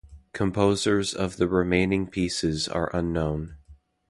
Composers of the remaining pieces are unknown.